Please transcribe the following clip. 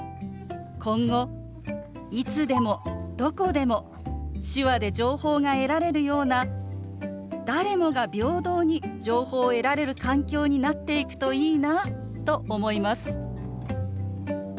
今後いつでもどこでも手話で情報が得られるような誰もが平等に情報を得られる環境になっていくといいなと思います。